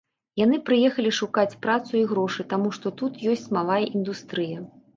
Яны прыехалі шукаць працу і грошы, таму што тут ёсць малая індустрыя.